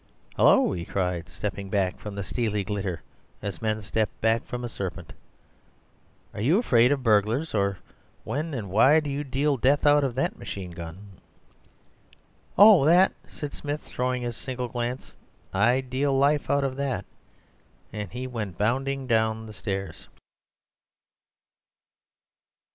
"Hullo!" he cried, stepping back from the steely glitter as men step back from a serpent; "are you afraid of burglars? or when and why do you deal death out of that machine gun?" "Oh, that!" said Smith, throwing it a single glance; "I deal life out of that," and he went bounding down the stairs.